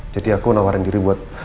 jadi aku nawarin diri buat